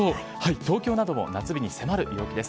東京なども夏日に迫る陽気です。